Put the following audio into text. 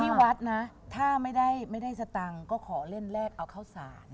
ที่วัดนะถ้าไม่ได้สตังค์ก็ขอเล่นแรกเอาข้าวสาร